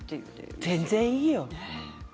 全然いいよ。